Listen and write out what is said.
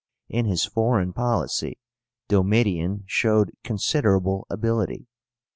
In his foreign policy Domitian showed considerable ability.